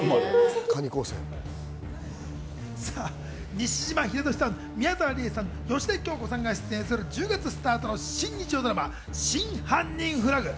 西島秀俊さん、宮沢りえさん、芳根京子さんが出演する１０月スタートの新日曜ドラマ『真犯人フラグ』。